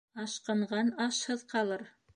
Ашҡынған ашһыҙ ҡалыр.